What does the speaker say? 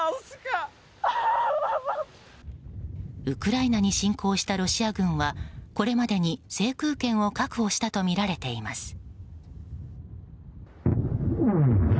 ウクライナに侵攻したロシア軍はこれまでに制空権を確保したとみられています。